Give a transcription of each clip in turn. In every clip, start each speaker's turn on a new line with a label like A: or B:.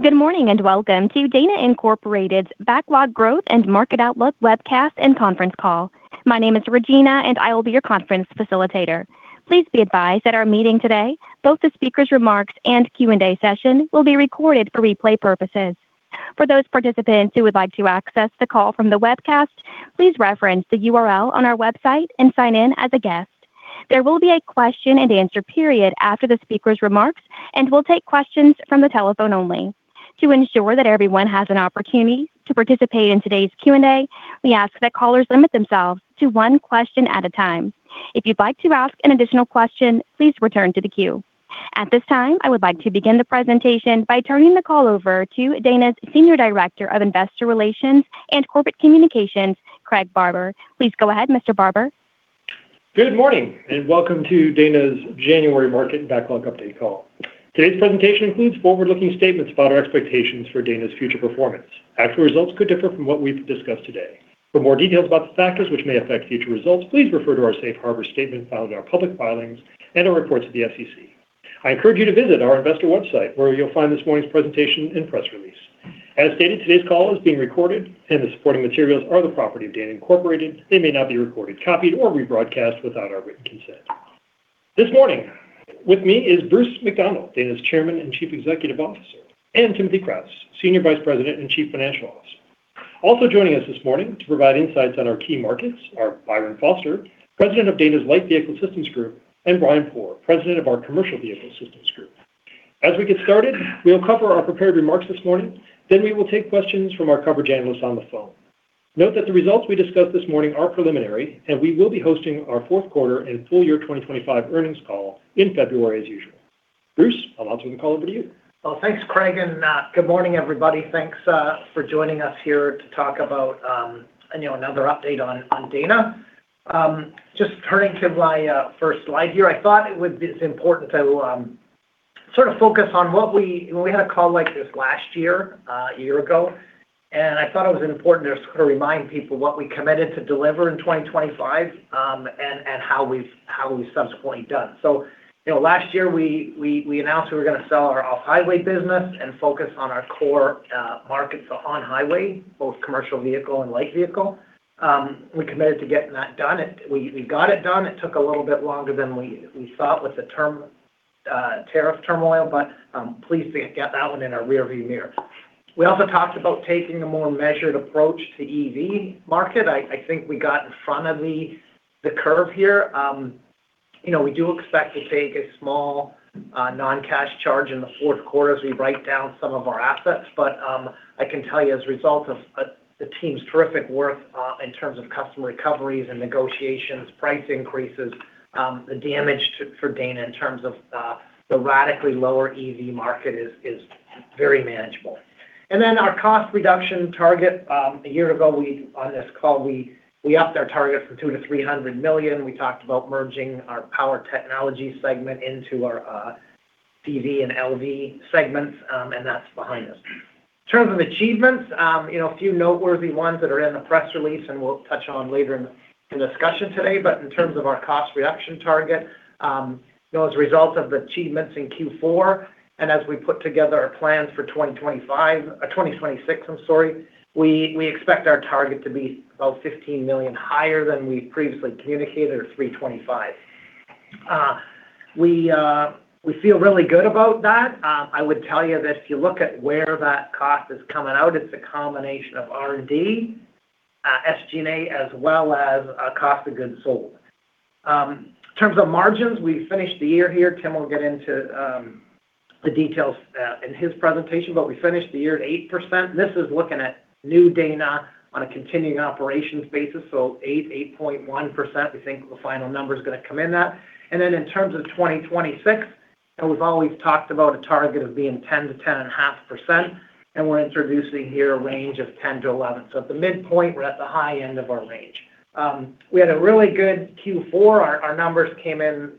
A: Good morning and welcome to Dana Incorporated's Backlog Growth and Market Outlook webcast and conference call. My name is Regina, and I will be your conference facilitator. Please be advised that our meeting today, both the speaker's remarks and Q&A session, will be recorded for replay purposes. For those participants who would like to access the call from the webcast, please reference the URL on our website and sign in as a guest. There will be a question-and-answer period after the speaker's remarks, and we'll take questions from the telephone only. To ensure that everyone has an opportunity to participate in today's Q&A, we ask that callers limit themselves to one question at a time. If you'd like to ask an additional question, please return to the queue. At this time, I would like to begin the presentation by turning the call over to Dana's Senior Director of Investor Relations and Corporate Communications, Craig Barber. Please go ahead, Mr. Barber.
B: Good morning and welcome to Dana's January Market and Backlog Update call. Today's presentation includes forward-looking statements about our expectations for Dana's future performance. Actual results could differ from what we've discussed today. For more details about the factors which may affect future results, please refer to our Safe Harbor statement found in our public filings and our reports to the SEC. I encourage you to visit our investor website, where you'll find this morning's presentation and press release. As stated, today's call is being recorded, and the supporting materials are the property of Dana Incorporated. They may not be recorded, copied, or rebroadcast without our written consent. This morning, with me is Bruce McDonald, Dana's Chairman and Chief Executive Officer, and Timothy Kraus, Senior Vice President and Chief Financial Officer. Also joining us this morning to provide insights on our key markets are Byron Foster, President of Dana's Light Vehicle Systems Group, and Brian Pour, President of our Commercial Vehicle Systems Group. As we get started, we'll cover our prepared remarks this morning. Then we will take questions from our coverage analysts on the phone. Note that the results we discuss this morning are preliminary, and we will be hosting our fourth quarter and full year 2025 earnings call in February as usual. Bruce, I'll hand the call over to you.
C: Thanks, Craig, and good morning, everybody. Thanks for joining us here to talk about another update on Dana. Just turning to my first slide here, I thought it would be important to sort of focus on what we, when we had a call like this last year, a year ago, and I thought it was important to sort of remind people what we committed to deliver in 2025 and how we've subsequently done. Last year, we announced we were going to sell our off-highway business and focus on our core markets on-highway, both commercial vehicle and light vehicle. We committed to getting that done. We got it done. It took a little bit longer than we thought with the tariff turmoil, but please get that one in our rearview mirror. We also talked about taking a more measured approach to the EV market. I think we got in front of the curve here. We do expect to take a small non-cash charge in the fourth quarter as we write down some of our assets, but I can tell you, as a result of the team's terrific work in terms of customer recoveries and negotiations, price increases, the damage for Dana in terms of the radically lower EV market is very manageable, and then our cost reduction target, a year ago on this call, we upped our target from $200 million to $300 million. We talked about merging our Power Technologies segment into our CV and LV segments, and that's behind us. In terms of achievements, a few noteworthy ones that are in the press release and we'll touch on later in the discussion today. But in terms of our cost reduction target, as a result of the achievements in Q4 and as we put together our plans for 2025 or 2026, I'm sorry, we expect our target to be about $15 million higher than we previously communicated or $325 million. We feel really good about that. I would tell you that if you look at where that cost is coming out, it's a combination of R&D, SG&A, as well as cost of goods sold. In terms of margins, we finished the year here. Tim will get into the details in his presentation, but we finished the year at 8%. This is looking at new Dana on a continuing operations basis, so 8-8.1%. We think the final number is going to come in that. Then in terms of 2026, we've always talked about a target of being 10-10.5%, and we're introducing here a range of 10-11%. So at the midpoint, we're at the high end of our range. We had a really good Q4. Our numbers came in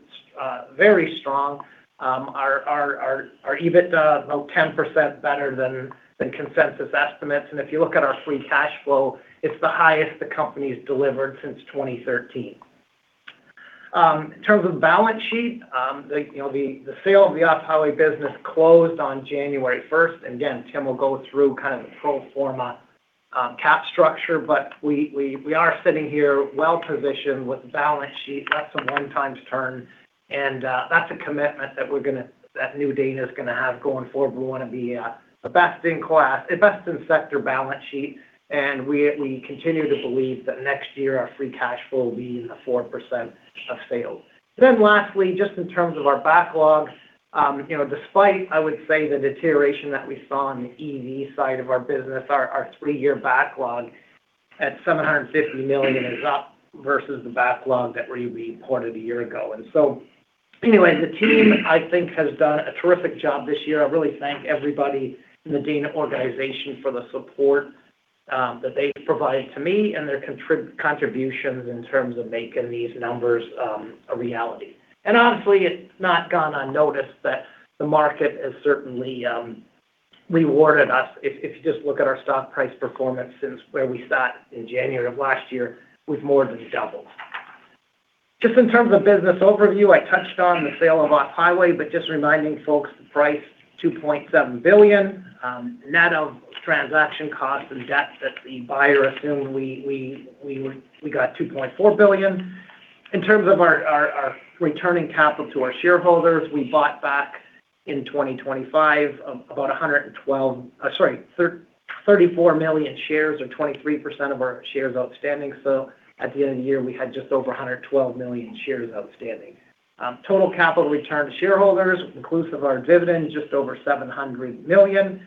C: very strong. Our EBITDA is about 10% better than consensus estimates. And if you look at our free cash flow, it's the highest the company's delivered since 2013. In terms of the balance sheet, the sale of the off-highway business closed on January 1st. And again, Tim will go through kind of the pro forma capital structure, but we are sitting here well positioned with a balance sheet less than one times turn. And that's a commitment that new Dana is going to have going forward. We want to be the best in class, the best in sector balance sheet. And we continue to believe that next year our free cash flow will be in the 4% of sales. Then lastly, just in terms of our backlog, despite I would say the deterioration that we saw on the EV side of our business, our three-year backlog at $750 million is up versus the backlog that we reported a year ago. And so anyway, the team, I think, has done a terrific job this year. I really thank everybody in the Dana organization for the support that they've provided to me and their contributions in terms of making these numbers a reality. And honestly, it's not gone unnoticed that the market has certainly rewarded us. If you just look at our stock price performance since where we sat in January of last year, we've more than doubled. Just in terms of business overview, I touched on the sale of off-highway, but just reminding folks, the price, $2.7 billion. Net of transaction costs and debt that the buyer assumed, we got $2.4 billion. In terms of our returning capital to our shareholders, we bought back in 2025 about 112, sorry, 34 million shares or 23% of our shares outstanding. So at the end of the year, we had just over 112 million shares outstanding. Total capital return to shareholders, inclusive of our dividend, just over $700 million.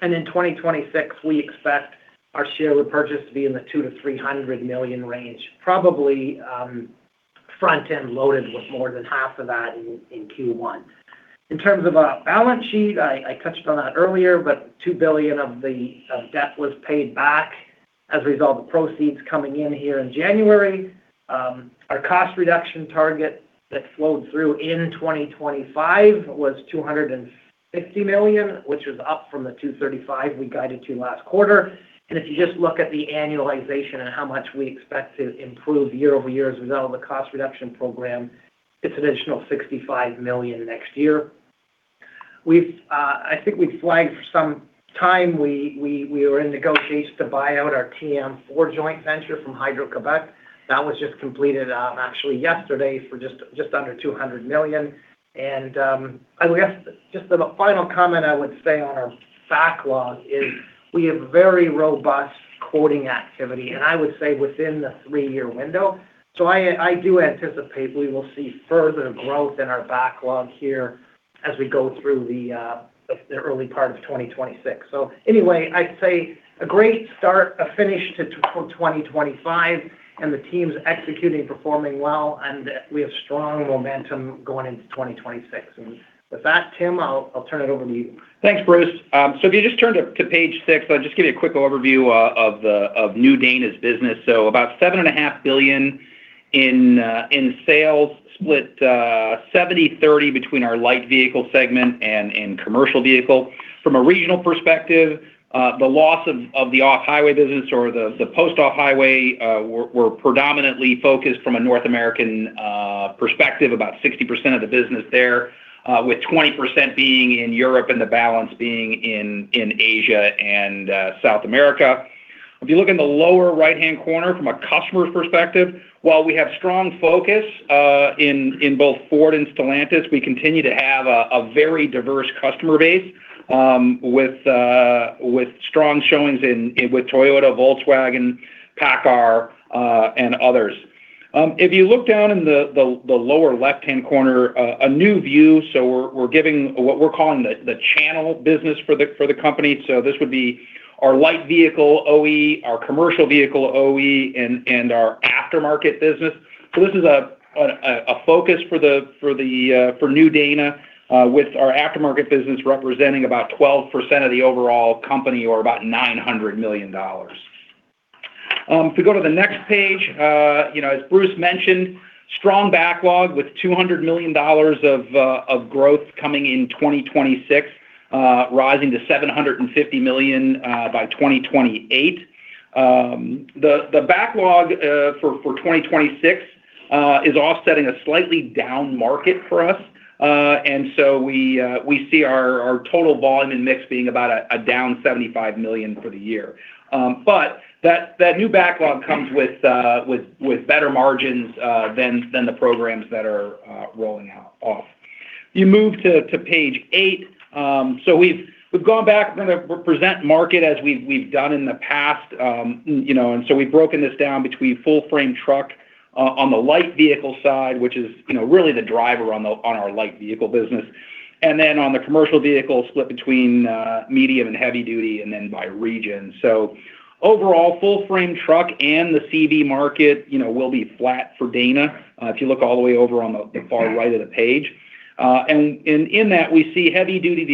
C: In 2026, we expect our share repurchase to be in the $200 million-$300 million range, probably front-end loaded with more than half of that in Q1. In terms of our balance sheet, I touched on that earlier, but $2 billion of the debt was paid back as a result of proceeds coming in here in January. Our cost reduction target that flowed through in 2025 was $250 million, which was up from the $235 million we guided to last quarter, and if you just look at the annualization and how much we expect to improve year over year as a result of the cost reduction program, it's an additional $65 million next year. I think we flagged for some time we were in negotiations to buy out our TM4 joint venture from Hydro-Québec. That was just completed actually yesterday for just under $200 million, and I guess just the final comment I would say on our backlog is we have very robust quoting activity, and I would say within the three-year window, so I do anticipate we will see further growth in our backlog here as we go through the early part of 2026. So anyway, I'd say a great start, a finish to 2025, and the team's executing and performing well, and we have strong momentum going into 2026. And with that, Tim, I'll turn it over to you.
D: Thanks, Bruce. So if you just turn to page six, I'll just give you a quick overview of new Dana's business. So about $7.5 billion in sales split 70/30 between our light vehicle segment and commercial vehicle. From a regional perspective, the loss of the off-highway business. We're predominantly focused from a North American perspective, about 60% of the business there, with 20% being in Europe and the balance being in Asia and South America. If you look in the lower right-hand corner from a customer perspective, while we have strong focus in both Ford and Stellantis, we continue to have a very diverse customer base with strong showings with Toyota, Volkswagen, PACCAR, and others. If you look down in the lower left-hand corner, a new view, so we're giving what we're calling the channel business for the company. So this would be our light vehicle OE, our commercial vehicle OE, and our aftermarket business. So this is a focus for new Dana, with our aftermarket business representing about 12% of the overall company or about $900 million. If we go to the next page, as Bruce mentioned, strong backlog with $200 million of growth coming in 2026, rising to $750 million by 2028. The backlog for 2026 is offsetting a slightly down market for us. And so we see our total volume and mix being about a down $75 million for the year. But that new backlog comes with better margins than the programs that are rolling off. You move to page eight. So we've gone back to present market as we've done in the past. And so we've broken this down between full-frame truck on the light vehicle side, which is really the driver on our light vehicle business, and then on the commercial vehicle split between medium and heavy duty and then by region. So overall, full-frame truck and the CV market will be flat for Dana if you look all the way over on the far right of the page. And in that, we see the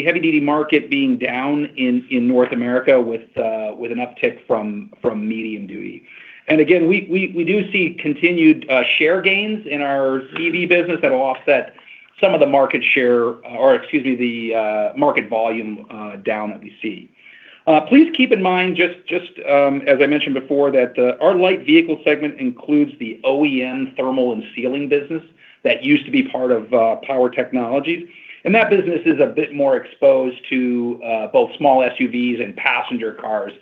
D: heavy duty market being down in North America with an uptick from medium duty. And again, we do see continued share gains in our CV business that will offset some of the market share or, excuse me, the market volume down that we see. Please keep in mind, just as I mentioned before, that our light vehicle segment includes the OEM thermal and sealing business that used to be part of Power Technologies. That business is a bit more exposed to both small SUVs and passenger cars.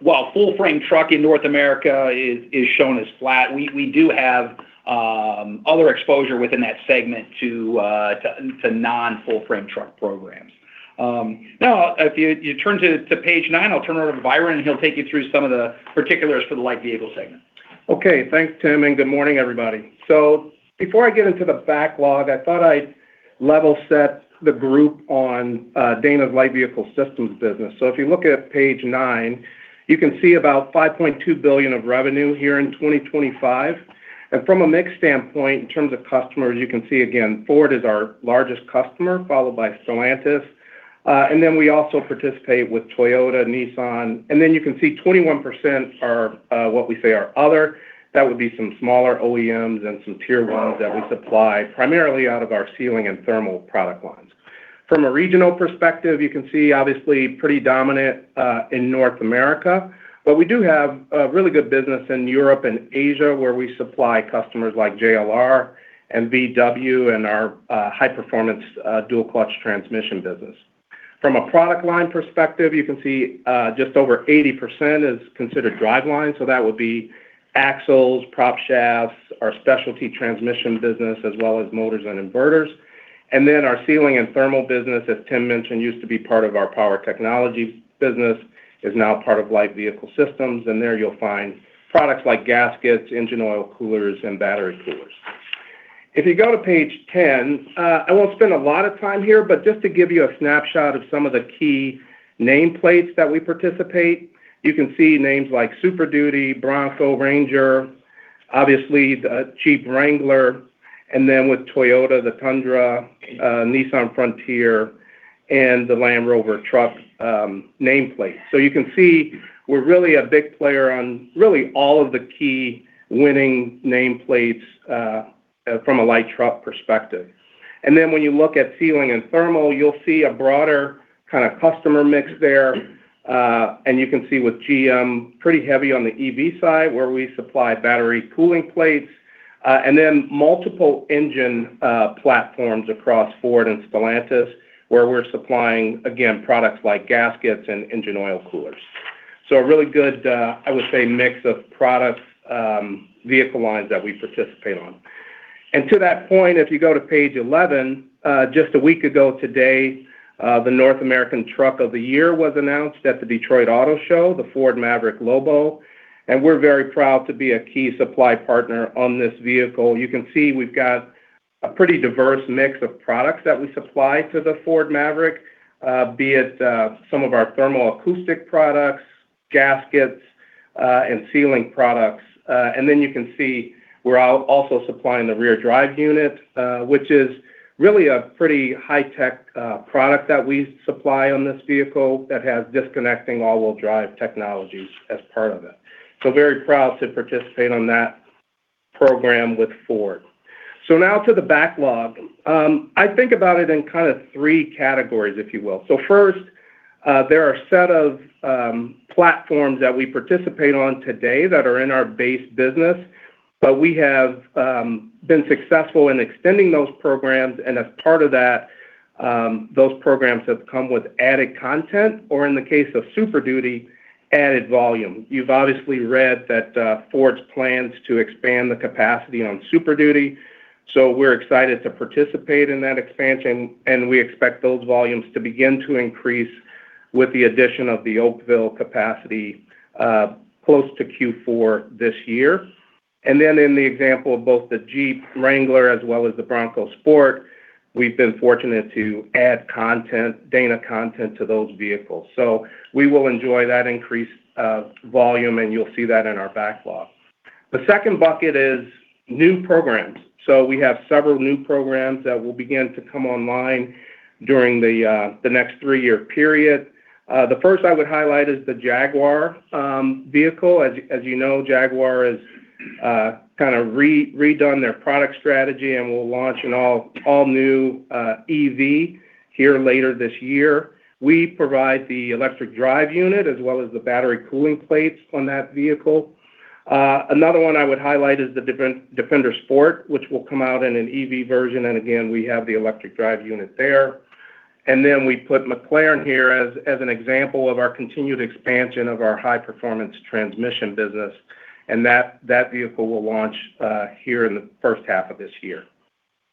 D: While full-frame truck in North America is shown as flat, we do have other exposure within that segment to non-full-frame truck programs. Now, if you turn to page nine, I'll turn it over to Byron, and he'll take you through some of the particulars for the light vehicle segment.
E: Okay. Thanks, Tim, and good morning, everybody, so before I get into the backlog, I thought I'd level set the group on Dana's light vehicle systems business, so if you look at page nine, you can see about $5.2 billion of revenue here in 2025, and from a mix standpoint, in terms of customers, you can see, again, Ford is our largest customer, followed by Stellantis, and then we also participate with Toyota, Nissan, and then you can see 21% are what we say are other. That would be some smaller OEMs and some tier ones that we supply primarily out of our sealing and thermal product lines, from a regional perspective, you can see obviously pretty dominant in North America, but we do have really good business in Europe and Asia where we supply customers like JLR and VW and our high-performance dual-clutch transmission business. From a product line perspective, you can see just over 80% is considered driveline. So that would be axles, prop shafts, our specialty transmission business, as well as motors and inverters. And then our sealing and thermal business, as Tim mentioned, used to be part of our power technology business, is now part of light vehicle systems. And there you'll find products like gaskets, engine oil coolers, and battery coolers. If you go to page 10, I won't spend a lot of time here, but just to give you a snapshot of some of the key nameplates that we participate, you can see names like Super Duty, Bronco, Ranger, obviously the Jeep Wrangler, and then with Toyota, the Tundra, Nissan Frontier, and the Land Rover truck nameplate. So you can see we're really a big player on really all of the key winning nameplates from a light truck perspective. And then when you look at sealing and thermal, you'll see a broader kind of customer mix there. And you can see with GM, pretty heavy on the EV side where we supply battery cooling plates, and then multiple engine platforms across Ford and Stellantis where we're supplying, again, products like gaskets and engine oil coolers. So a really good, I would say, mix of product vehicle lines that we participate on. And to that point, if you go to page 11, just a week ago today, the North American Truck of the Year was announced at the Detroit Auto Show, the Ford Maverick Lobo. And we're very proud to be a key supply partner on this vehicle. You can see we've got a pretty diverse mix of products that we supply to the Ford Maverick, be it some of our thermal acoustic products, gaskets, and sealing products. And then you can see we're also supplying the rear drive unit, which is really a pretty high-tech product that we supply on this vehicle that has disconnecting all-wheel drive technologies as part of it. So very proud to participate on that program with Ford. So now to the backlog. I think about it in kind of three categories, if you will. So first, there are a set of platforms that we participate on today that are in our base business, but we have been successful in extending those programs. And as part of that, those programs have come with added content, or in the case of Super Duty, added volume. You've obviously read that Ford's plans to expand the capacity on Super Duty. So we're excited to participate in that expansion. We expect those volumes to begin to increase with the addition of the Oakville capacity close to Q4 this year. In the example of both the Jeep Wrangler as well as the Bronco Sport, we have been fortunate to add Dana content to those vehicles. We will enjoy that increased volume, and you will see that in our backlog. The second bucket is new programs. We have several new programs that will begin to come online during the next three-year period. The first I would highlight is the Jaguar vehicle. As you know, Jaguar has kind of redone their product strategy and will launch an all-new EV here later this year. We provide the electric drive unit as well as the battery cooling plates on that vehicle. Another one I would highlight is the Defender Sport, which will come out in an EV version. And again, we have the electric drive unit there. And then we put McLaren here as an example of our continued expansion of our high-performance transmission business. And that vehicle will launch here in the first half of this year.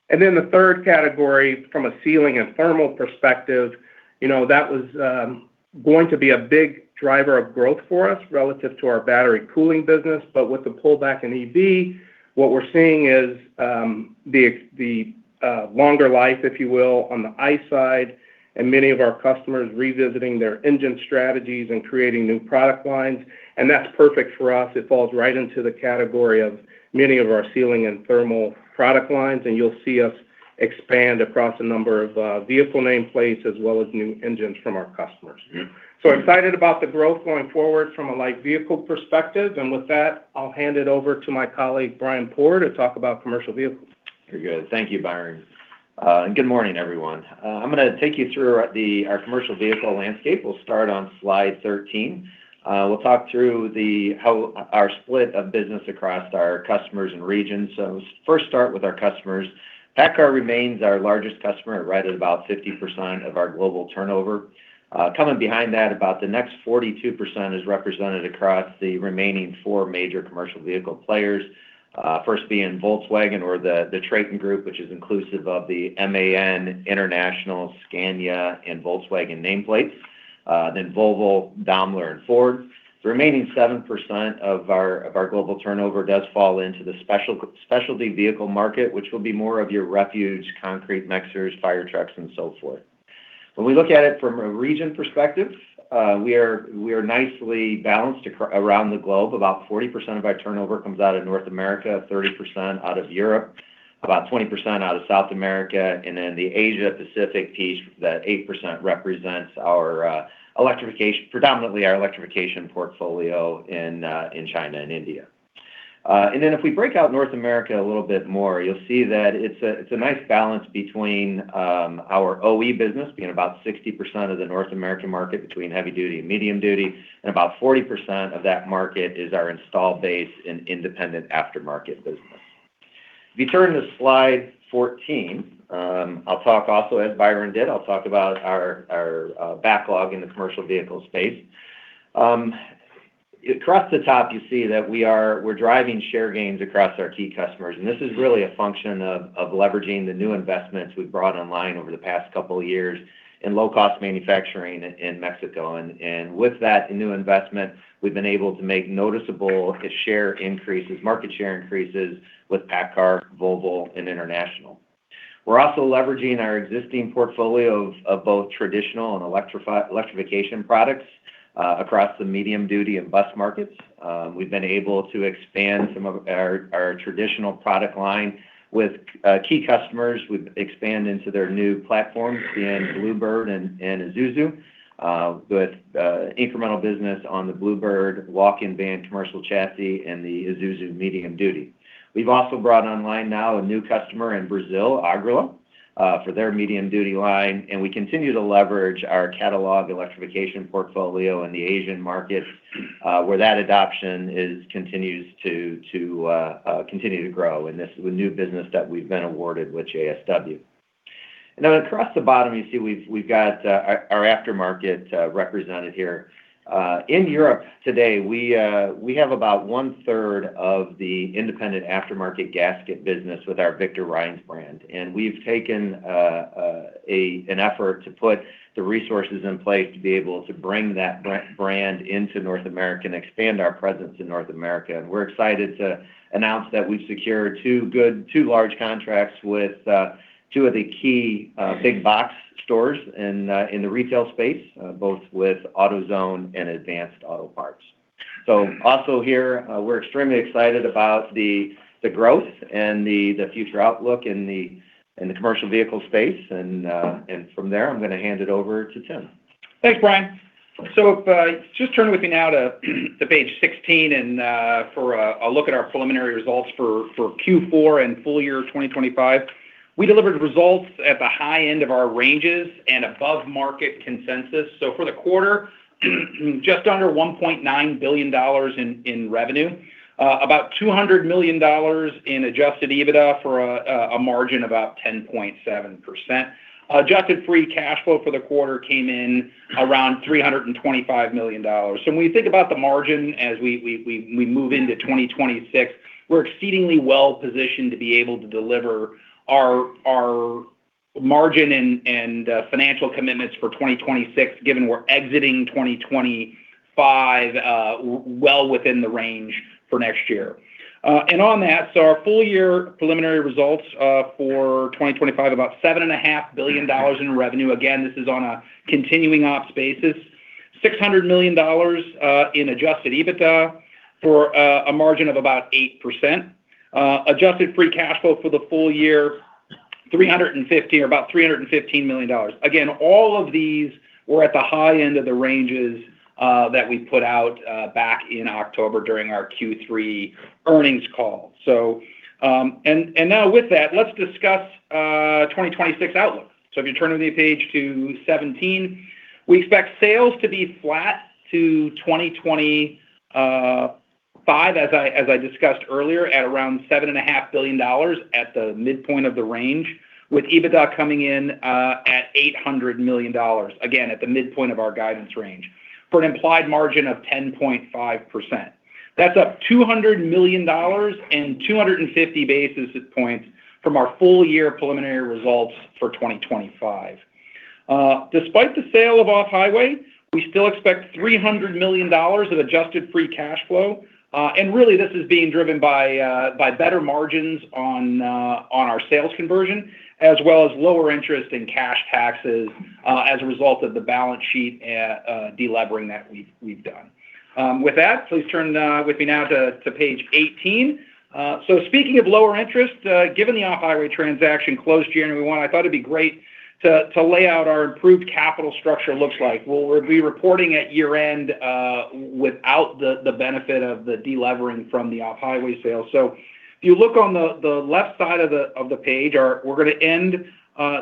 E: And then the third category from a sealing and thermal perspective, that was going to be a big driver of growth for us relative to our battery cooling business. But with the pullback in EV, what we're seeing is the longer life, if you will, on the ICE side, and many of our customers revisiting their engine strategies and creating new product lines. And that's perfect for us. It falls right into the category of many of our sealing and thermal product lines. And you'll see us expand across a number of vehicle nameplates as well as new engines from our customers. So excited about the growth going forward from a light vehicle perspective. And with that, I'll hand it over to my colleague, Brian Pour, to talk about commercial vehicles.
F: Very good. Thank you, Byron. Good morning, everyone. I'm going to take you through our commercial vehicle landscape. We'll start on slide 13. We'll talk through our split of business across our customers and regions. First, start with our customers. PACCAR remains our largest customer, right at about 50% of our global turnover. Coming behind that, about the next 42% is represented across the remaining four major commercial vehicle players, first being Volkswagen or the Traton Group, which is inclusive of the MAN, International, Scania, and Volkswagen nameplates, then Volvo, Daimler, and Ford. The remaining 7% of our global turnover does fall into the specialty vehicle market, which will be more of your refuge, concrete mixers, fire trucks, and so forth. When we look at it from a region perspective, we are nicely balanced around the globe. About 40% of our turnover comes out of North America, 30% out of Europe, about 20% out of South America. And then the Asia-Pacific piece, that 8%, represents predominantly our electrification portfolio in China and India. And then if we break out North America a little bit more, you'll see that it's a nice balance between our OE business, being about 60% of the North American market between heavy duty and medium duty, and about 40% of that market is our install base and independent aftermarket business. If you turn to slide 14, I'll talk also as Byron did. I'll talk about our backlog in the commercial vehicle space. Across the top, you see that we're driving share gains across our key customers. And this is really a function of leveraging the new investments we've brought online over the past couple of years in low-cost manufacturing in Mexico. With that new investment, we've been able to make noticeable share increases, market share increases with PACCAR, Volvo, and International. We're also leveraging our existing portfolio of both traditional and electrification products across the medium-duty and bus markets. We've been able to expand some of our traditional product line with key customers. We've expanded into their new platforms, being Blue Bird and Isuzu, with incremental business on the Blue Bird walk-in van, commercial chassis, and the Isuzu medium-duty. We've also brought online now a new customer in Brazil, Agrale, for their medium-duty line. We continue to leverage our catalog electrification portfolio in the Asian market, where that adoption continues to grow in this new business that we've been awarded with JSW. Then across the bottom, you see we've got our aftermarket represented here. In Europe today, we have about one-third of the independent aftermarket gasket business with our Victor Reinz brand. We've taken an effort to put the resources in place to be able to bring that brand into North America and expand our presence in North America. We're excited to announce that we've secured two large contracts with two of the key big box stores in the retail space, both with AutoZone and Advance Auto Parts. We're extremely excited about the growth and the future outlook in the commercial vehicle space. From there, I'm going to hand it over to Tim.
D: Thanks, Brian. So just turn with me now to page 16 for a look at our preliminary results for Q4 and full year 2025. We delivered results at the high end of our ranges and above market consensus. So for the quarter, just under $1.9 billion in revenue, about $200 million in adjusted EBITDA for a margin of about 10.7%. Adjusted free cash flow for the quarter came in around $325 million. So when you think about the margin as we move into 2026, we're exceedingly well positioned to be able to deliver our margin and financial commitments for 2026, given we're exiting 2025 well within the range for next year. And on that, so our full year preliminary results for 2025, about $7.5 billion in revenue. Again, this is on a continuing ops basis, $600 million in adjusted EBITDA for a margin of about 8%. Adjusted free cash flow for the full year, $315 million. Again, all of these were at the high end of the ranges that we put out back in October during our Q3 earnings call. And now with that, let's discuss 2026 outlook. So if you turn with me to page 17, we expect sales to be flat to 2025, at around $7.5 billion at the midpoint of the range, with EBITDA coming in at $800 million, again, at the midpoint of our guidance range, for an implied margin of 10.5%. That's up $200 million and 250 basis points from our full year preliminary results for 2025. Despite the sale of off-highway, we still expect $300 million of adjusted free cash flow. And really, this is being driven by better margins on our sales conversion, as well as lower interest and cash taxes as a result of the balance sheet delevering that we've done. With that, please turn with me now to page 18. So speaking of lower interest, given the Off-Highway transaction closed January 1, I thought it'd be great to lay out our improved capital structure looks like. We'll be reporting at year-end without the benefit of the delevering from the Off-Highway sales. So if you look on the left side of the page, we're going to end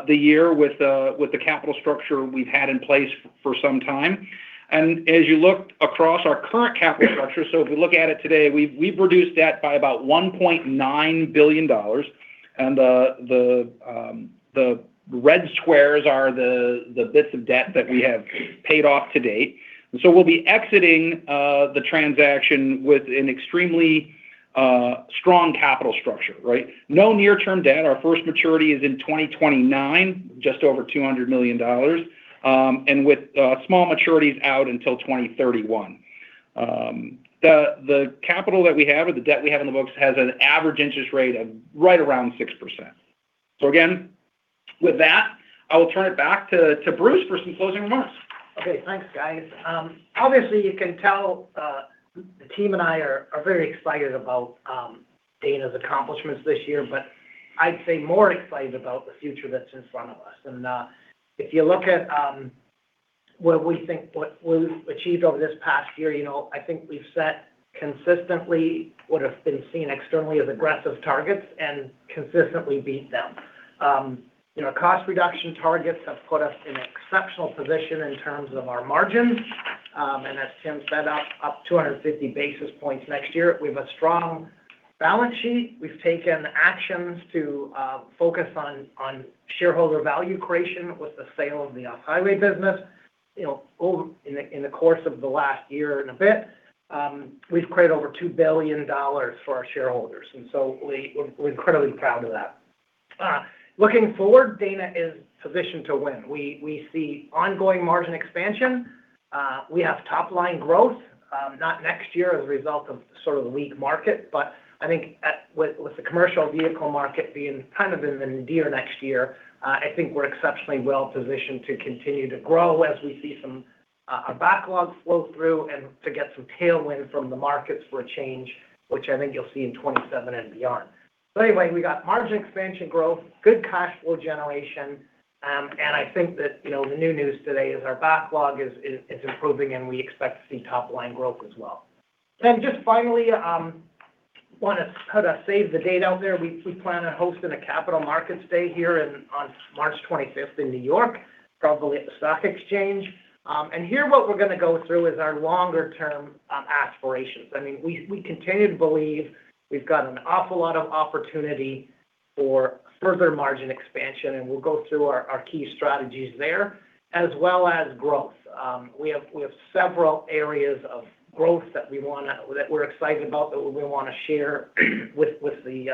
D: the year with the capital structure we've had in place for some time. And as you look across our current capital structure, so if you look at it today, we've reduced debt by about $1.9 billion. And the red squares are the bits of debt that we have paid off to date. We'll be exiting the transaction with an extremely strong capital structure, right? No near-term debt. Our first maturity is in 2029, just over $200 million, and with small maturities out until 2031. The capital that we have or the debt we have in the books has an average interest rate of right around 6%. Again, with that, I will turn it back to Bruce for some closing remarks.
C: Okay. Thanks, guys. Obviously, you can tell the team and I are very excited about Dana's accomplishments this year, but I'd say more excited about the future that's in front of us, and if you look at what we think we've achieved over this past year, I think we've set consistently what have been seen externally as aggressive targets and consistently beat them. Cost reduction targets have put us in an exceptional position in terms of our margins, and as Tim said, up 250 basis points next year. We have a strong balance sheet. We've taken actions to focus on shareholder value creation with the sale of the off-highway business. In the course of the last year and a bit, we've created over $2 billion for our shareholders. And so we're incredibly proud of that. Looking forward, Dana is positioned to win. We see ongoing margin expansion. We have top-line growth not next year as a result of sort of the weak market. But I think with the commercial vehicle market being kind of weak in the near term next year, I think we're exceptionally well positioned to continue to grow as we see some backlog flow through and to get some tailwind from the markets for a change, which I think you'll see in 2027 and beyond. But anyway, we got margin expansion growth, good cash flow generation. And I think that the new news today is our backlog is improving, and we expect to see top-line growth as well. And just finally, I want to save the date out there. We plan on hosting a capital markets day here on March 25th in New York, probably at the stock exchange. And here, what we're going to go through is our longer-term aspirations. I mean, we continue to believe we've got an awful lot of opportunity for further margin expansion, and we'll go through our key strategies there as well as growth. We have several areas of growth that we're excited about that we want to share with the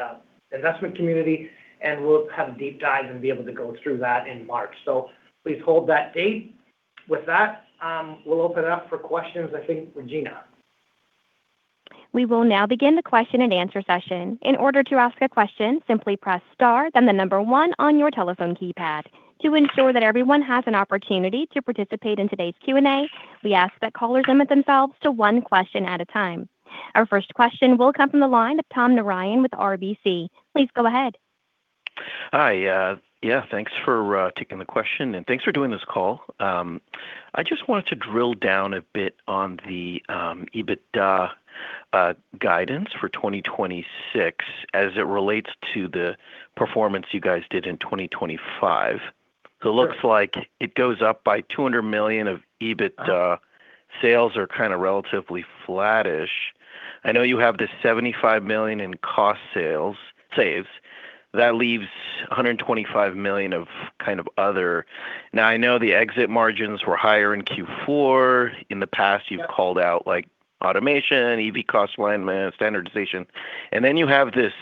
C: investment community, and we'll have a deep dive and be able to go through that in March. So please hold that date. With that, we'll open it up for questions. I think, Regina.
A: We will now begin the question and answer session. In order to ask a question, simply press star, then the number one on your telephone keypad. To ensure that everyone has an opportunity to participate in today's Q&A, we ask that callers limit themselves to one question at a time. Our first question will come from the line of Tom Narayan with RBC. Please go ahead.
G: Hi. Yeah, thanks for taking the question, and thanks for doing this call. I just wanted to drill down a bit on the EBITDA guidance for 2026 as it relates to the performance you guys did in 2025. So it looks like it goes up by $200 million in EBITDA. Sales are kind of relatively flattish. I know you have the $75 million in cost savings. That leaves $125 million of kind of other. Now, I know the exit margins were higher in Q4. In the past, you've called out automation, EV cost alignment, standardization. And then you have this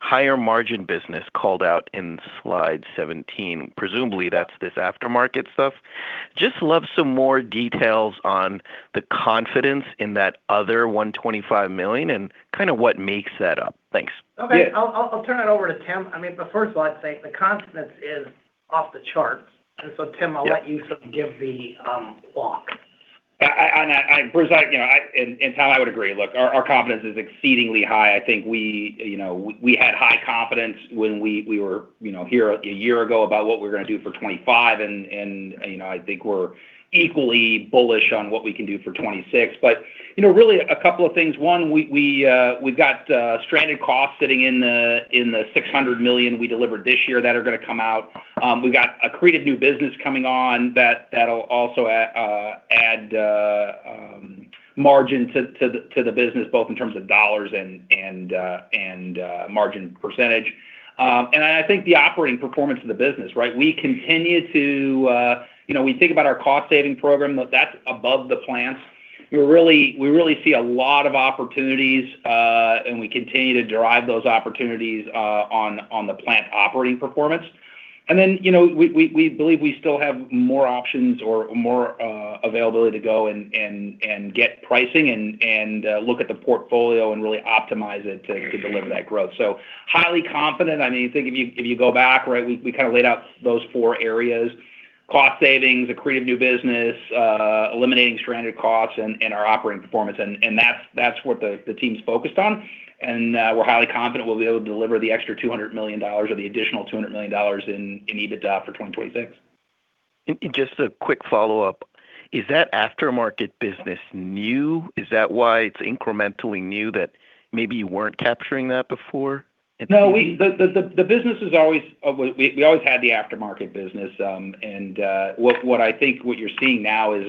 G: higher margin business called out in slide 17. Presumably, that's this aftermarket stuff. Just love some more details on the confidence in that other $125 million and kind of what makes that up. Thanks.
C: Okay. I'll turn it over to Tim. I mean, but first of all, I'd say the confidence is off the charts, and so, Tim, I'll let you sort of give the walk.
D: Bruce, in time, I would agree. Look, our confidence is exceedingly high. I think we had high confidence when we were here a year ago about what we're going to do for 2025. And I think we're equally bullish on what we can do for 2026. But really, a couple of things. One, we've got stranded costs sitting in the $600 million we delivered this year that are going to come out. We've got a captive new business coming on that'll also add margin to the business, both in terms of dollars and margin percentage. And I think the operating performance of the business, right? We think about our cost-saving program. That's above the plants. We really see a lot of opportunities, and we continue to drive those opportunities on the plant operating performance. Then we believe we still have more options or more availability to go and get pricing and look at the portfolio and really optimize it to deliver that growth. So highly confident. I mean, if you think you go back, right, we kind of laid out those four areas: cost savings, accretive new business, eliminating stranded costs, and our operating performance. That's what the team's focused on. We're highly confident we'll be able to deliver the extra $200 million or the additional $200 million in EBITDA for 2026.
G: Just a quick follow-up. Is that aftermarket business new? Is that why it's incrementally new that maybe you weren't capturing that before?
D: No, the business is always, we always had the aftermarket business. And what I think what you're seeing now is,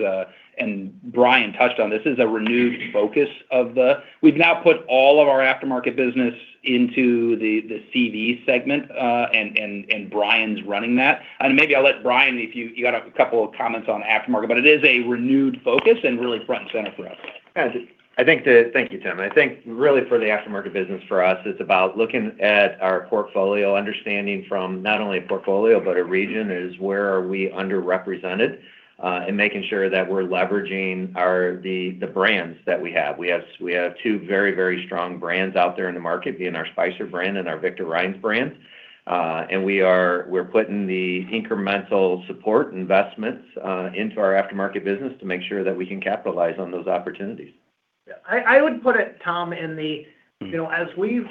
D: and Brian touched on this, is a renewed focus of the, we've now put all of our aftermarket business into the CV segment, and Brian's running that. And maybe I'll let Brian, if you got a couple of comments on aftermarket, but it is a renewed focus and really front and center for us.
F: I think, thank you, Tim. I think really for the aftermarket business for us, it's about looking at our portfolio, understanding from not only a portfolio but a region is where are we underrepresented and making sure that we're leveraging the brands that we have. We have two very, very strong brands out there in the market, being our Spicer brand and our Victor Reinz brand. And we're putting the incremental support investments into our aftermarket business to make sure that we can capitalize on those opportunities. Yeah. I would put it, Tom, in the, as we've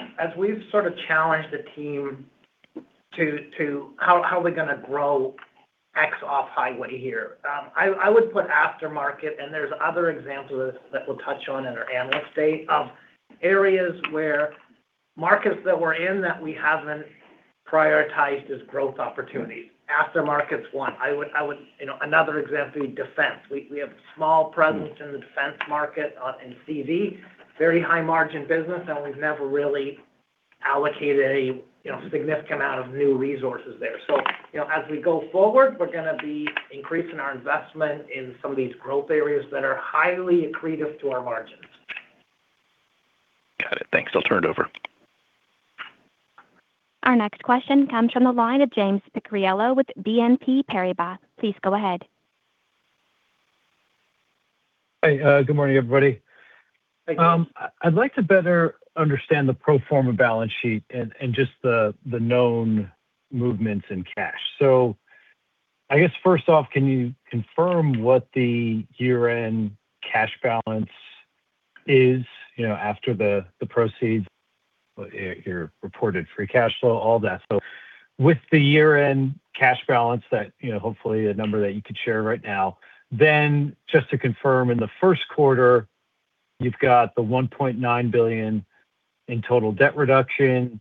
F: sort of challenged the team to how are we going to grow our off-highway here, I would put aftermarket, and there's other examples that we'll touch on in our analyst day, of areas where markets that we're in that we haven't prioritized as growth opportunities. Aftermarket's one. I would, another example would be defense.
C: We have a small presence in the defense market in CV, very high-margin business, and we've never really allocated a significant amount of new resources there. So as we go forward, we're going to be increasing our investment in some of these growth areas that are highly accretive to our margins.
G: Got it. Thanks. I'll turn it over.
A: Our next question comes from the line of James Picariello with BNP Paribas. Please go ahead.
H: Hey. Good morning, everybody. I'd like to better understand the pro forma balance sheet and just the known movements in cash. So I guess, first off, can you confirm what the year-end cash balance is after the proceeds? You reported free cash flow, all that. So with the year-end cash balance, hopefully a number that you could share right now, then just to confirm, in the first quarter, you've got the $1.9 billion in total debt reduction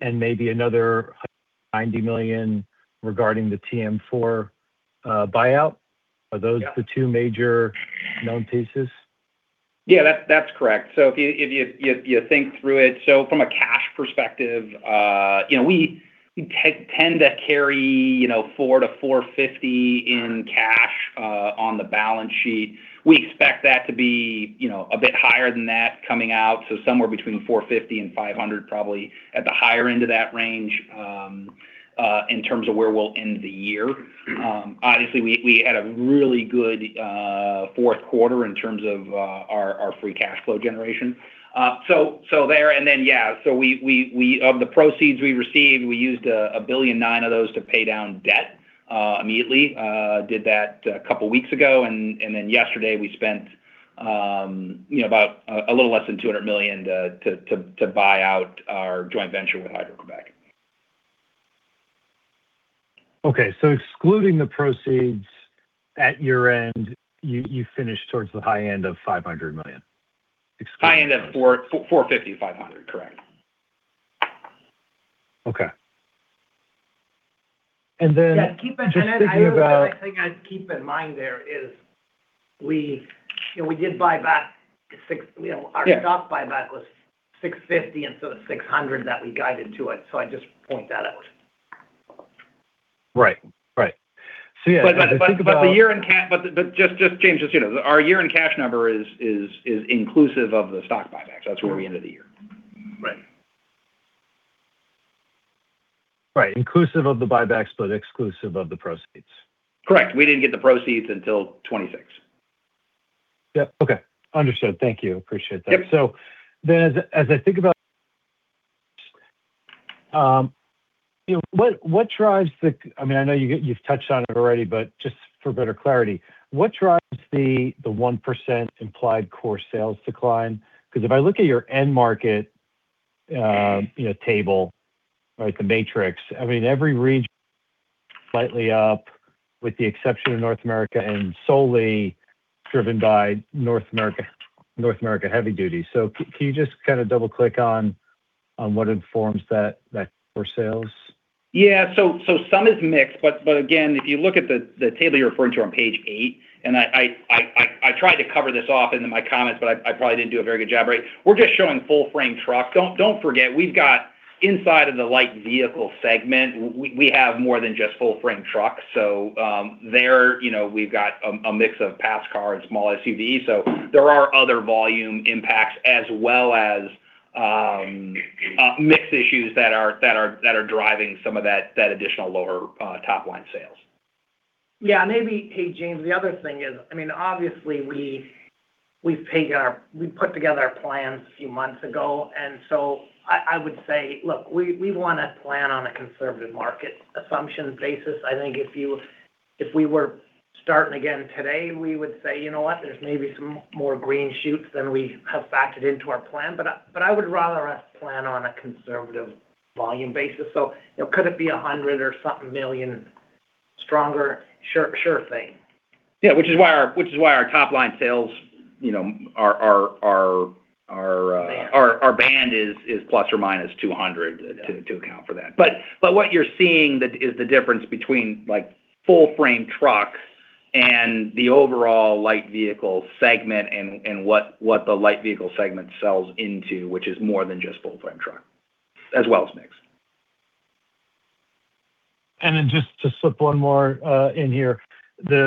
H: and maybe another $90 million regarding the TM4 buyout. Are those the two major known pieces?
D: Yeah, that's correct. So if you think through it, so from a cash perspective, we tend to carry $400 million-$450 million in cash on the balance sheet. We expect that to be a bit higher than that coming out, so somewhere between $450 million and $500 million, probably at the higher end of that range in terms of where we'll end the year. Obviously, we had a really good fourth quarter in terms of our free cash flow generation. So there. And then, yeah, so of the proceeds we received, we used $1.9 billion of those to pay down debt immediately, did that a couple of weeks ago. And then yesterday, we spent a little less than $200 million to buy out our joint venture with Hydro-Québec.
H: Okay. Excluding the proceeds at year-end, you finished towards the high end of $500 million?
D: High end of 450-500, correct.
H: Okay. And then.
C: Yeah. Keep in mind.
D: I think I'd keep in mind that we did buy back. Our stock buyback was $650 instead of $600 that we guided to it, so I just point that out.
H: Right. Right. So yeah.
D: Think about the year-end cash, but just James's, our year-end cash number is inclusive of the stock buybacks. That's where we ended the year.
C: Right.
H: Right. Inclusive of the buybacks, but exclusive of the proceeds.
D: Correct. We didn't get the proceeds until 2026.
H: Yep. Okay. Understood. Thank you. Appreciate that. So then as I think about what drives the, I mean, I know you've touched on it already, but just for better clarity, what drives the 1% implied core sales decline? Because if I look at your end market table, right, the matrix, I mean, every region slightly up with the exception of North America and solely driven by North America heavy duty. So can you just kind of double-click on what informs that core sales?
D: Yeah. So some is mixed. But again, if you look at the table you're referring to on page eight, and I tried to cover this off in my comments, but I probably didn't do a very good job, right? We're just showing full-frame trucks. Don't forget, we've got inside of the light vehicle segment, we have more than just full-frame trucks. So there, we've got a mix of passenger car and small SUV. So there are other volume impacts as well as mixed issues that are driving some of that additional lower top-line sales.
C: Yeah. Hey, James, the other thing is, I mean, obviously, we've put together our plans a few months ago. And so I would say, look, we want to plan on a conservative market assumption basis. I think if we were starting again today, we would say, you know what, there's maybe some more green shoots than we have factored into our plan. But I would rather us plan on a conservative volume basis. So could it be $100 million or something stronger? Sure thing.
D: Yeah. Which is why our top-line sales band is plus or minus 200 to account for that. But what you're seeing is the difference between full-frame trucks and the overall light vehicle segment and what the light vehicle segment sells into, which is more than just full-frame truck, as well as mix.
H: And then just to slip one more in here, the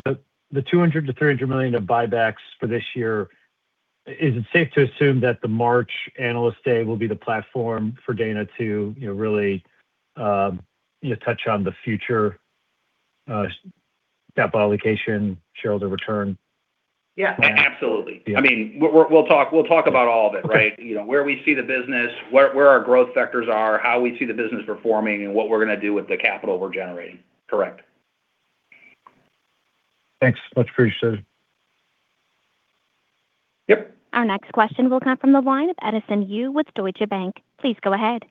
H: $200 million-$300 million of buybacks for this year, is it safe to assume that the March analyst day will be the platform for Dana to really touch on the future capital allocation, shareholder return?
D: Yeah. Absolutely. I mean, we'll talk about all of it, right? Where we see the business, where our growth factors are, how we see the business performing, and what we're going to do with the capital we're generating. Correct.
H: Thanks. Much appreciated.
D: Yep.
A: Our next question will come from the line of Edison Yu with Deutsche Bank. Please go ahead.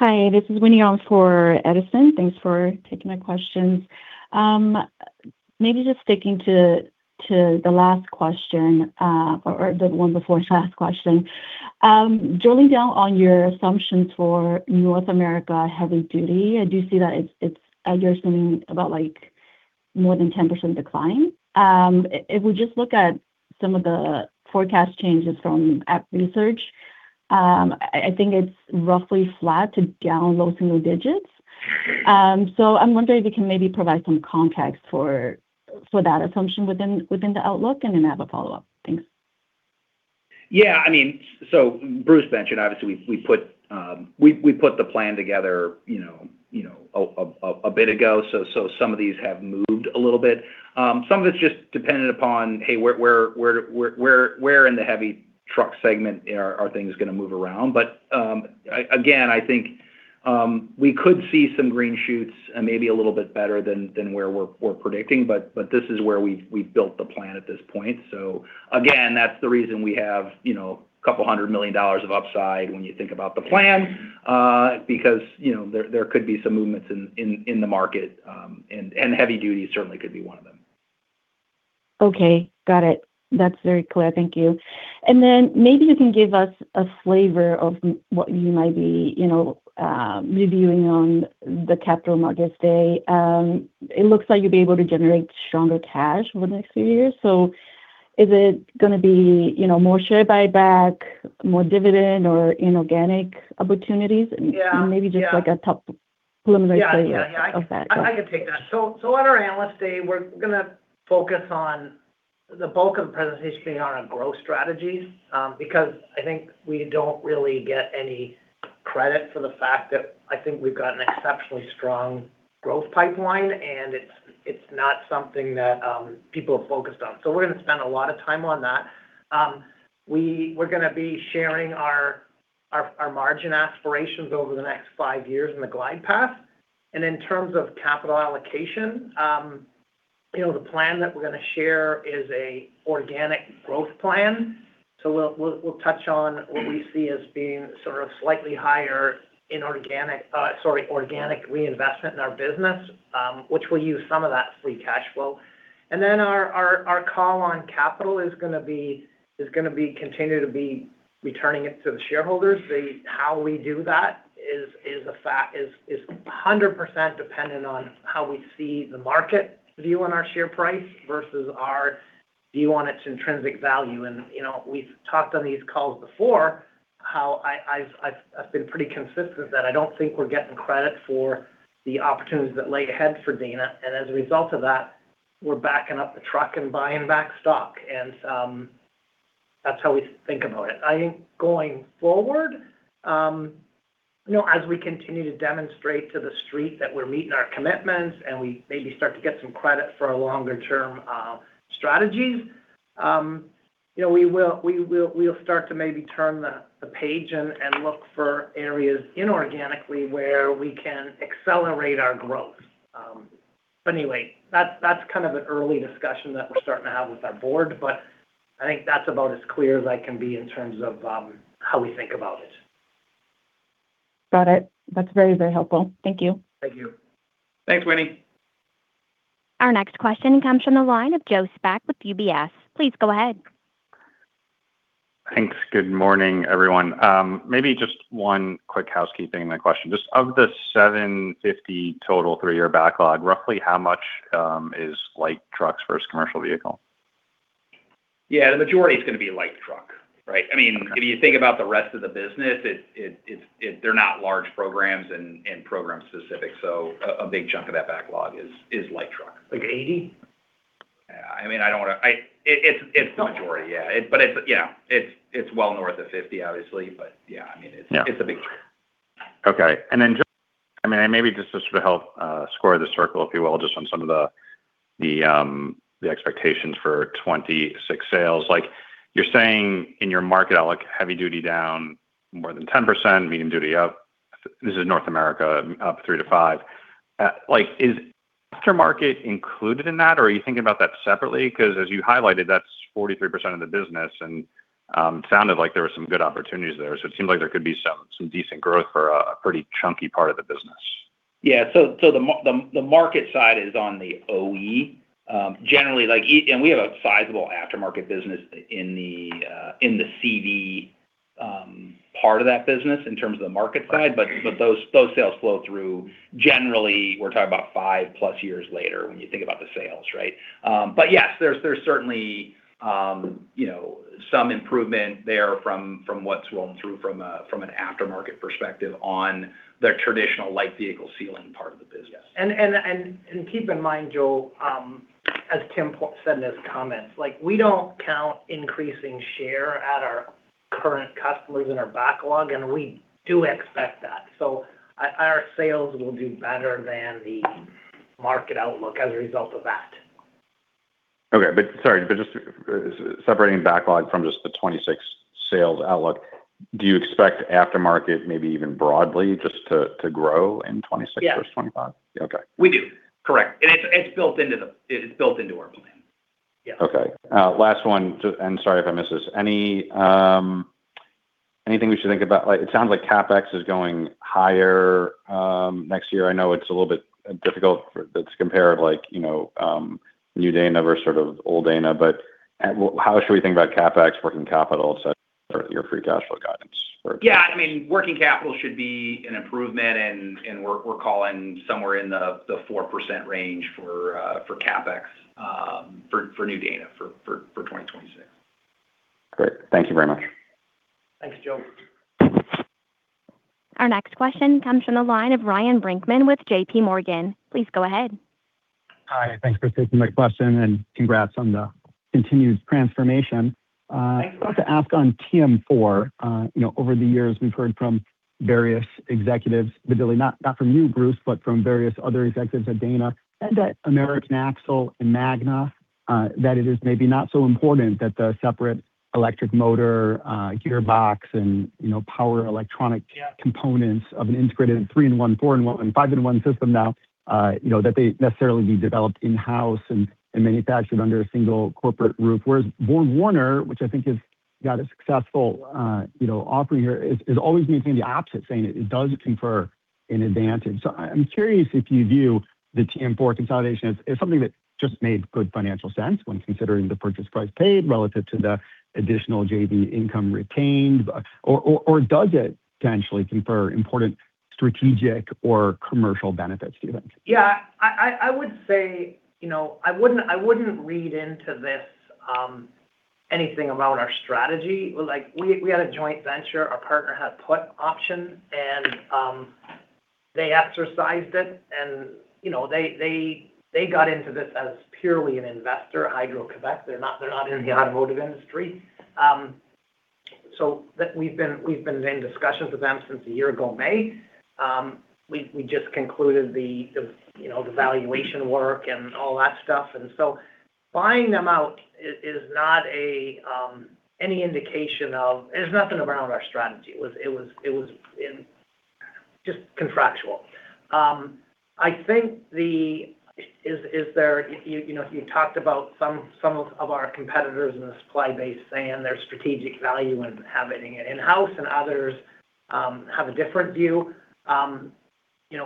I: Hi. This is Winnie Alms for Edison. Thanks for taking my questions. Maybe just sticking to the last question or the one before the last question. Drilling down on your assumptions for North America heavy duty, I do see that you're assuming about more than 10% decline. If we just look at some of the forecast changes from IHS research, I think it's roughly flat to down low single digits. So I'm wondering if you can maybe provide some context for that assumption within the outlook and then have a follow-up. Thanks.
D: Yeah. I mean, so Bruce mentioned, obviously, we put the plan together a bit ago. So some of these have moved a little bit. Some of it's just dependent upon, hey, where in the heavy truck segment are things going to move around? But again, I think we could see some green shoots and maybe a little bit better than where we're predicting. But this is where we've built the plan at this point. So again, that's the reason we have $200 million of upside when you think about the plan, because there could be some movements in the market, and heavy duty certainly could be one of them.
I: Okay. Got it. That's very clear. Thank you. And then maybe you can give us a flavor of what you might be reviewing on the capital markets day. It looks like you'll be able to generate stronger cash over the next few years. So is it going to be more share buyback, more dividend, or inorganic opportunities? And maybe just a preliminary layout of that.
C: Yeah. I can take that. So on our analyst day, we're going to focus on the bulk of the presentation being on our growth strategies because I think we don't really get any credit for the fact that I think we've got an exceptionally strong growth pipeline, and it's not something that people have focused on. So we're going to spend a lot of time on that. We're going to be sharing our margin aspirations over the next five years in the glide path. And in terms of capital allocation, the plan that we're going to share is an organic growth plan. So we'll touch on what we see as being sort of slightly higher inorganic reinvestment in our business, which will use some of that free cash flow. And then our call on capital is going to continue to be returning it to the shareholders. How we do that is 100% dependent on how we see the market view on our share price versus our view on its intrinsic value, and we've talked on these calls before how I've been pretty consistent that I don't think we're getting credit for the opportunities that lay ahead for Dana, and as a result of that, we're backing up the truck and buying back stock, and that's how we think about it. I think going forward, as we continue to demonstrate to the street that we're meeting our commitments and we maybe start to get some credit for our longer-term strategies, we'll start to maybe turn the page and look for areas inorganically where we can accelerate our growth, but anyway, that's kind of an early discussion that we're starting to have with our board. But I think that's about as clear as I can be in terms of how we think about it.
I: Got it. That's very, very helpful. Thank you.
C: Thank you.
D: Thanks, Winnie.
A: Our next question comes from the line of Joe Spak with UBS. Please go ahead.
J: Thanks. Good morning, everyone. Maybe just one quick housekeeping question. Just of the 750 total three-year backlog, roughly how much is light trucks versus commercial vehicle?
D: Yeah. The majority is going to be light truck, right? I mean, if you think about the rest of the business, they're not large programs and program-specific. So a big chunk of that backlog is light truck.
J: Like 80?
D: Yeah. I mean, I don't want to. It's the majority, yeah. But yeah, it's well north of 50, obviously. But yeah, I mean, it's a big chunk.
J: Okay. And then just, I mean, maybe just to sort of help score the circle, if you will, just on some of the expectations for 2026 sales. You're saying in your market, heavy duty down more than 10%, medium duty up. This is North America, up three to five. Is aftermarket included in that, or are you thinking about that separately? Because as you highlighted, that's 43% of the business, and it sounded like there were some good opportunities there. So it seemed like there could be some decent growth for a pretty chunky part of the business.
D: Yeah. So the market side is on the OE. Generally, and we have a sizable aftermarket business in the CV part of that business in terms of the market side. But those sales flow through. Generally, we're talking about five-plus years later when you think about the sales, right? But yes, there's certainly some improvement there from what's rolling through from an aftermarket perspective on the traditional light vehicle sealing part of the business.
C: And keep in mind, Joe, as Tim said in his comments, we don't count increasing share at our current customers in our backlog, and we do expect that. So our sales will do better than the market outlook as a result of that.
J: Okay. But just separating backlog from just the 2026 sales outlook, do you expect aftermarket maybe even broadly just to grow in 2026 versus 2025?
D: Yes. We do. Correct. And it's built into our plan. Yes.
J: Okay. Last one, and sorry if I missed this. Anything we should think about? It sounds like CapEx is going higher next year. I know it's a little bit difficult to compare new Dana versus sort of old Dana. But how should we think about CapEx, working capital, etc., or your free cash flow guidance?
D: Yeah. I mean, working capital should be an improvement, and we're calling somewhere in the 4% range for CapEx for new Dana for 2026.
J: Great. Thank you very much.
C: Thanks, Joe.
A: Our next question comes from the line of Ryan Brinkman with JP Morgan. Please go ahead.
K: Hi. Thanks for taking my question, and congrats on the continued transformation. I'd like to ask on TM4. Over the years, we've heard from various executives, not from you, Bruce, but from various other executives at Dana, that American Axle and Magna, that it is maybe not so important that the separate electric motor gearbox and power electronic components of an integrated three-in-one, four-in-one, five-in-one system now, that they necessarily be developed in-house and manufactured under a single corporate roof. Whereas BorgWarner, which I think has got a successful offering here, has always maintained the opposite, saying it does confer an advantage. So I'm curious if you view the TM4 consolidation as something that just made good financial sense when considering the purchase price paid relative to the additional JV income retained, or does it potentially confer important strategic or commercial benefits, do you think?
C: Yeah. I would say I wouldn't read into this anything about our strategy. We had a joint venture. Our partner had a put option, and they exercised it. And they got into this as purely an investor, Hydro-Québec. They're not in the automotive industry. So we've been in discussions with them since a year ago, May. We just concluded the valuation work and all that stuff. And so buying them out is not any indication of. There's nothing around our strategy. It was just contractual. I think the. You talked about some of our competitors in the supply base saying their strategic value in having it in-house, and others have a different view.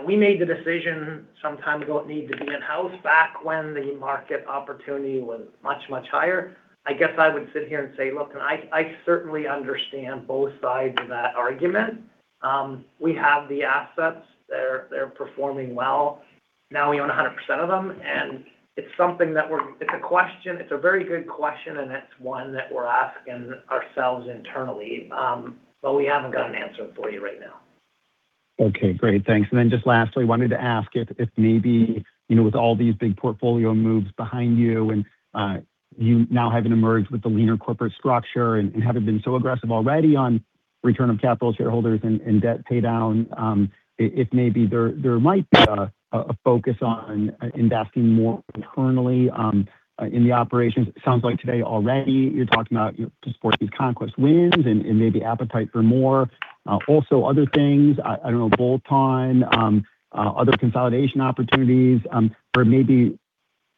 C: We made the decision some time ago it needed to be in-house back when the market opportunity was much, much higher. I guess I would sit here and say, "Look, I certainly understand both sides of that argument. We have the assets. They're performing well. Now we own 100% of them." and it's something that we're, it's a question. It's a very good question, and it's one that we're asking ourselves internally. but we haven't got an answer for you right now.
K: Okay. Great. Thanks. And then just lastly, I wanted to ask if maybe with all these big portfolio moves behind you and you now having emerged with the leaner corporate structure and having been so aggressive already on return of capital, shareholders, and debt paydown, if maybe there might be a focus on investing more internally in the operations. It sounds like today already you're talking about to support these conquest wins and maybe appetite for more. Also, other things, I don't know, bolt-on, other consolidation opportunities, or maybe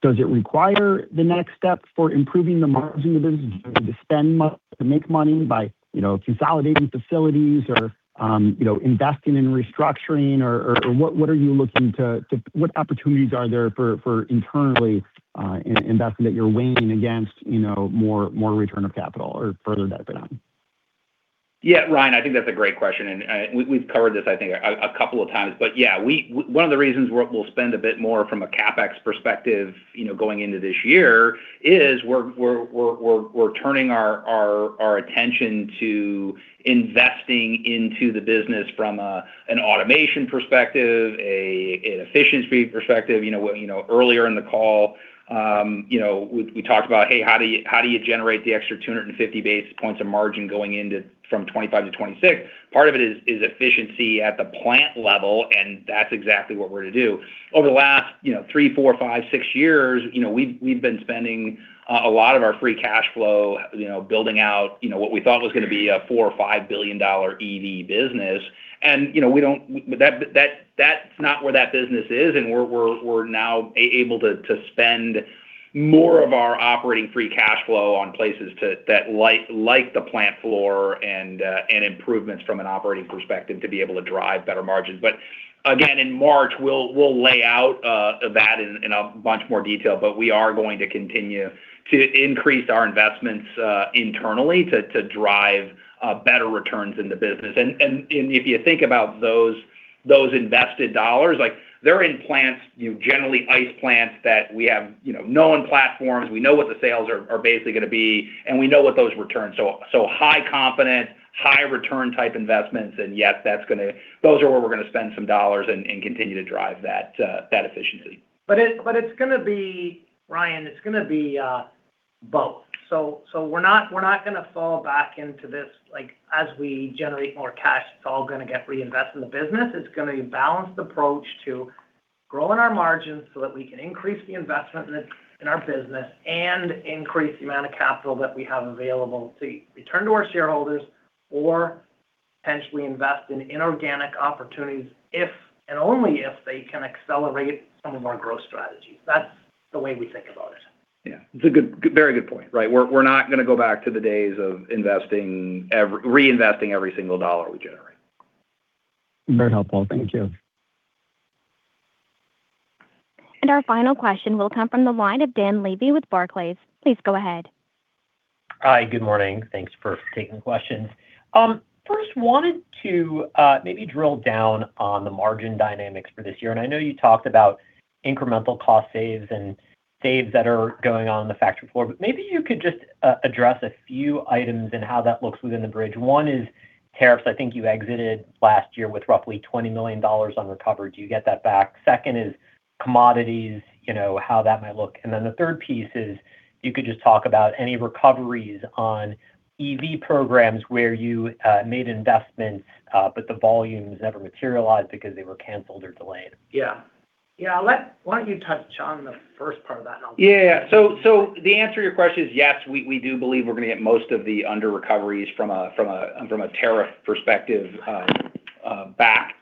K: does it require the next step for improving the margin of the business to spend money, to make money by consolidating facilities or investing in restructuring, or what are you looking to—what opportunities are there for internally investing that you're weighing against more return of capital or further debt paydown?
D: Yeah. Ryan, I think that's a great question. And we've covered this, I think, a couple of times. But yeah, one of the reasons we'll spend a bit more from a CapEx perspective going into this year is we're turning our attention to investing into the business from an automation perspective, an efficiency perspective. Earlier in the call, we talked about, "Hey, how do you generate the extra 250 basis points of margin going into from 2025 to 2026?" Part of it is efficiency at the plant level, and that's exactly what we're going to do. Over the last three, four, five, six years, we've been spending a lot of our free cash flow building out what we thought was going to be a $4 billion or $5 billion EV business. And we don't-that's not where that business is. We're now able to spend more of our operating free cash flow on places that like the plant floor and improvements from an operating perspective to be able to drive better margins. Again, in March, we'll lay out that in a bunch more detail. We are going to continue to increase our investments internally to drive better returns in the business. If you think about those invested dollars, they're in plants, generally ICE plants that we have known platforms. We know what the sales are basically going to be, and we know what those returns. High confidence, high return type investments, and yes, that's going to, those are where we're going to spend some dollars and continue to drive that efficiency.
C: But it's going to be, Ryan, it's going to be both. So we're not going to fall back into this as we generate more cash. It's all going to get reinvested in the business. It's going to be a balanced approach to growing our margins so that we can increase the investment in our business and increase the amount of capital that we have available to return to our shareholders or potentially invest in inorganic opportunities if and only if they can accelerate some of our growth strategies. That's the way we think about it.
D: Yeah. It's a very good point, right? We're not going to go back to the days of reinvesting every single dollar we generate.
K: Very helpful. Thank you.
A: Our final question will come from the line of Dan Levy with Barclays. Please go ahead.
L: Hi. Good morning. Thanks for taking the question. First, wanted to maybe drill down on the margin dynamics for this year. And I know you talked about incremental cost saves and saves that are going on in the factory floor. But maybe you could just address a few items and how that looks within the bridge. One is tariffs. I think you exited last year with roughly $20 million on recovery. Do you get that back? Second is commodities, how that might look. And then the third piece is you could just talk about any recoveries on EV programs where you made investments, but the volumes never materialized because they were canceled or delayed.
C: Yeah. Yeah. I'll let you touch on the first part of that, and I'll.
D: Yeah. So the answer to your question is yes, we do believe we're going to get most of the under-recoveries from a tariff perspective back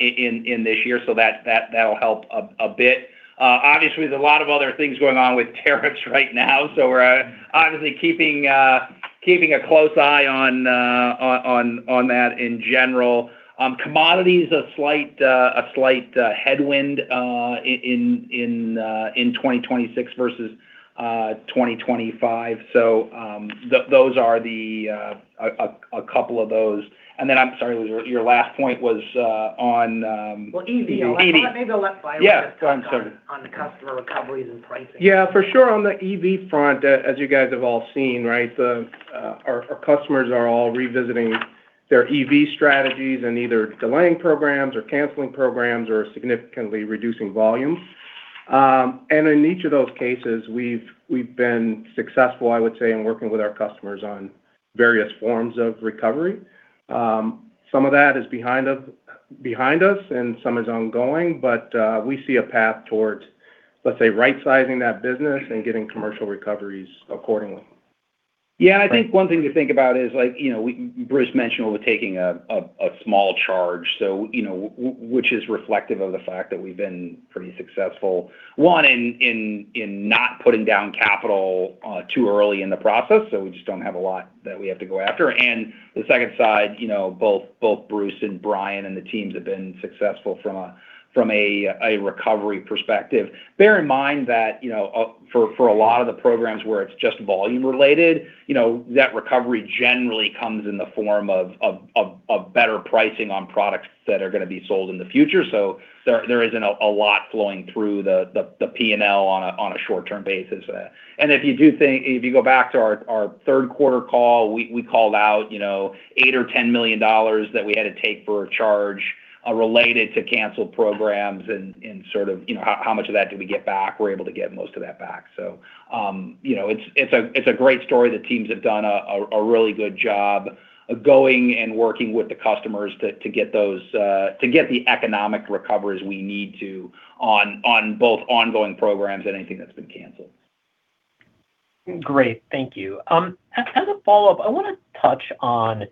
D: in this year. So that'll help a bit. Obviously, there's a lot of other things going on with tariffs right now. So we're obviously keeping a close eye on that in general. Commodities, a slight headwind in 2026 versus 2025. So those are a couple of those. And then I'm sorry, your last point was on...
C: Well, EV. On the EV.
D: Maybe I'll let Ryan just touch on the customer recoveries and pricing.
E: Yeah. For sure. On the EV front, as you guys have all seen, right, our customers are all revisiting their EV strategies and either delaying programs or canceling programs or significantly reducing volumes, and in each of those cases, we've been successful, I would say, in working with our customers on various forms of recovery. Some of that is behind us, and some is ongoing, but we see a path towards, let's say, right-sizing that business and getting commercial recoveries accordingly.
D: Yeah. I think one thing to think about is, like Bruce mentioned, we're taking a small charge, which is reflective of the fact that we've been pretty successful, one, in not putting down capital too early in the process. So we just don't have a lot that we have to go after. And the second side, both Bruce and Brian and the teams have been successful from a recovery perspective. Bear in mind that for a lot of the programs where it's just volume related, that recovery generally comes in the form of better pricing on products that are going to be sold in the future. So there isn't a lot flowing through the P&L on a short-term basis. If you do think, if you go back to our third quarter call, we called out $8 million or $10 million that we had to take for a charge related to canceled programs and sort of how much of that did we get back. We're able to get most of that back. It's a great story that teams have done a really good job of going and working with the customers to get the economic recoveries we need to on both ongoing programs and anything that's been canceled.
L: Great. Thank you. As a follow-up, I want to touch on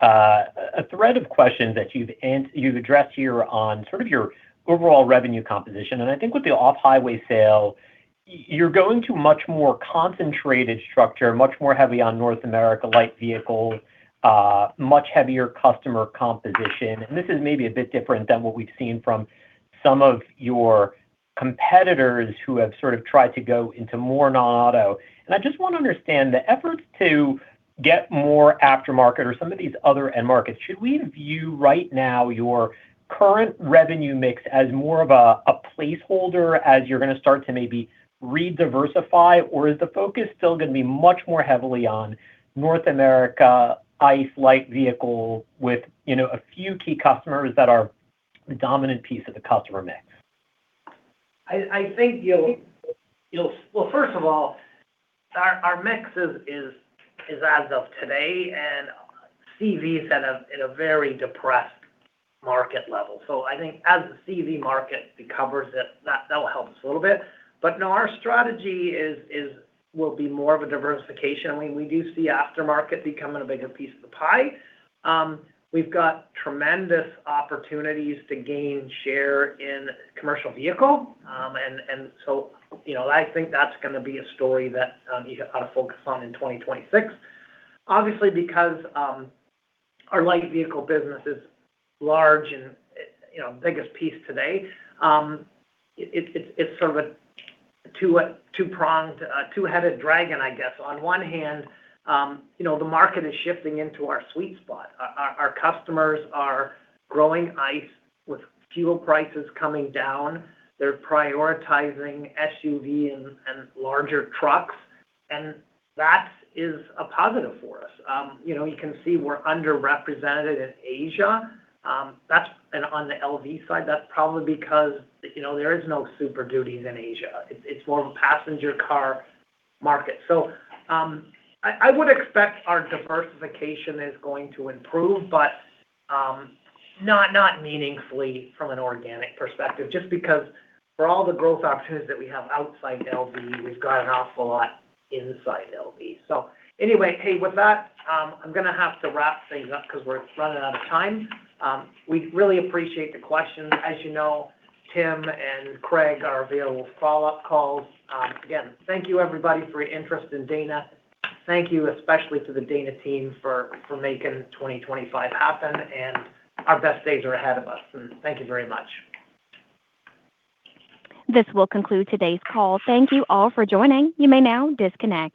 L: a thread of questions that you've addressed here on sort of your overall revenue composition. And I think with the off-highway sale, you're going to much more concentrated structure, much more heavy on North America-like vehicles, much heavier customer composition. And this is maybe a bit different than what we've seen from some of your competitors who have sort of tried to go into more non-auto. And I just want to understand the efforts to get more aftermarket or some of these other end markets. Should we view right now your current revenue mix as more of a placeholder as you're going to start to maybe rediversify, or is the focus still going to be much more heavily on North America-like vehicles with a few key customers that are the dominant piece of the customer mix?
C: I think you'll, well, first of all, our mix is as of today, and CVs are at a very depressed market level. So I think as the CV market recovers, that will help us a little bit. But no, our strategy will be more of a diversification. I mean, we do see aftermarket becoming a bigger piece of the pie. We've got tremendous opportunities to gain share in commercial vehicles. And so I think that's going to be a story that you ought to focus on in 2026. Obviously, because our light vehicle business is large and the biggest piece today, it's sort of a two-pronged, two-headed dragon, I guess. On one hand, the market is shifting into our sweet spot. Our customers are growing ICE with fuel prices coming down. They're prioritizing SUVs and larger trucks. And that is a positive for us. You can see we're underrepresented in Asia. On the LV side, that's probably because there are no Super Duty in Asia. It's more of a passenger car market. So I would expect our diversification is going to improve, but not meaningfully from an organic perspective, just because for all the growth opportunities that we have outside LV, we've got an awful lot inside LV. So anyway, hey, with that, I'm going to have to wrap things up because we're running out of time. We really appreciate the questions. As you know, Tim and Craig are available for follow-up calls. Again, thank you, everybody, for your interest in Dana. Thank you, especially to the Dana team, for making 2025 happen, and our best days are ahead of us, and thank you very much.
A: This will conclude today's call. Thank you all for joining. You may now disconnect.